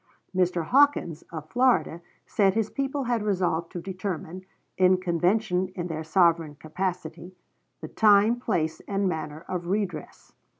Mr. Hawkins, of Florida, said his people had resolved to determine, in convention in their sovereign capacity, the time, place, and manner of redress.